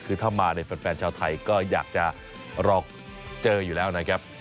คือถ้ามาในแฟนชาวไทยก็อยากจะรอเจออยู่แล้วนะครับ